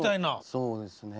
そうですね。